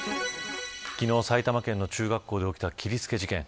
昨日、埼玉県の中学校で起きた切りつけ事件。